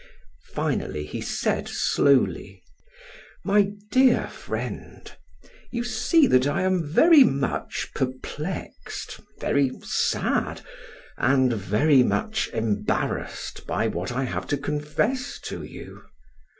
Finally he said slowly: "My dear friend, you see that I am very much perplexed, very sad, and very much embarrassed by what I have to confess to you.